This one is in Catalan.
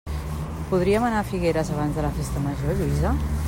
Podríem anar a Figueres abans de la festa major, Lluïsa?